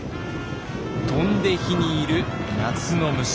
飛んで火に入る夏の虫。